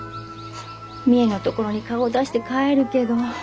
みえのところに顔を出して帰るけど。